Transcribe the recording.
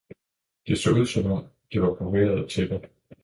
det så ud, som det var broderede tæpper.